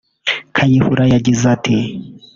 Kayihura yagize ati